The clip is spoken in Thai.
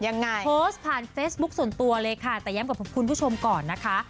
ยังไงโพสต์ผ่านเฟซบุ๊คส่วนตัวเลยค่ะแต่ย้ำกับคุณผู้ชมก่อนนะคะ